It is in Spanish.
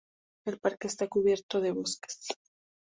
El parque está cubierto de bosques.